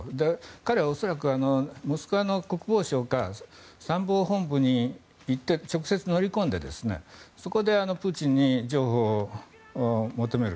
彼は恐らく、モスクワの国防省か参謀本部に直接乗り込んでそこでプーチンに情報を求める。